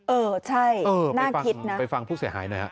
เออใช่น่าคิดนะไปฟังผู้เสียหายหน่อยฮะ